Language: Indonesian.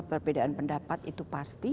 perbedaan pendapat itu pasti